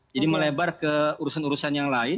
jadi melebar ke urusan urusan yang lain